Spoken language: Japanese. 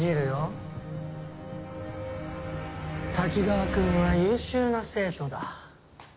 滝川くんは優秀な生徒だ。